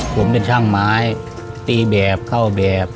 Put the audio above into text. ผมเป็นช่างไม้ตีแบบเข้าแบบ